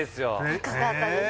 高かったですね